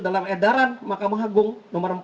dalam edaran mahkamah agung nomor empat